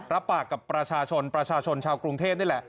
รับปากกับประชาชนประชาชนชาวกรุงเทพนี่แหละ